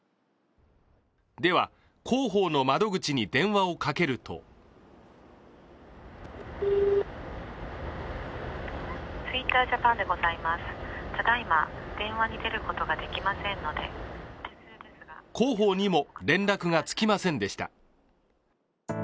では、広報の窓口に電話をかけると広報にも連絡がつきませんでした。